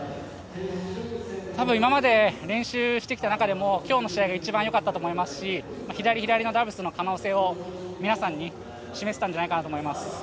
多分、今まで練習してきた中でも今日の試合が一番良かったと思いますし左左の可能性を皆さんに示せたんじゃないかと思います。